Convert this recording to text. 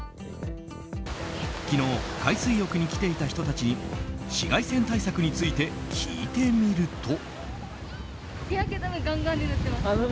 昨日、海水浴に来ていた人たちに紫外線対策について聞いてみると。